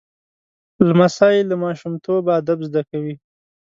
لمسی له ماشومتوبه ادب زده کوي.